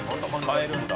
変えるんだ。